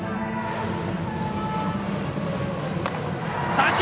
三振！